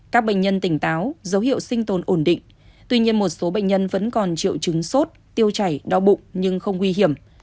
các bệnh nhân tỉnh táo dấu hiệu sinh tồn ổn định tuy nhiên một số bệnh nhân vẫn còn triệu chứng sốt tiêu chảy đau bụng nhưng không nguy hiểm